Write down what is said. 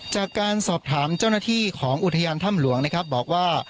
จากการสอบถามเจ้าหน้าที่ของอุทยานถ้ำหลวงนะครับบอกว่า